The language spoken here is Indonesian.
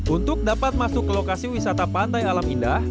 untuk dapat masuk ke lokasi wisata pantai alam indah